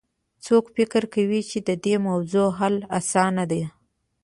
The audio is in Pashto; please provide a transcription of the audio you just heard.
څوک فکر کوي چې د دې موضوع حل اسانه ده